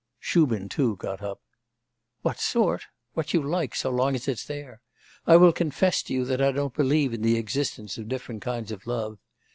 Shubin too, got up. 'What sort? What you like, so long as it's there. I will confess to you that I don't believe in the existence of different kinds of love.